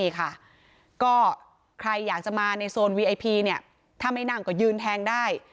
ก็จะมาในโซนวีไอพีเนี้ยถ้าไม่นั่งก็ยืนแทงได้